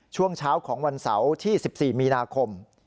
ช่วงเช้าของวันเสาร์ที่๑๔มีนาคม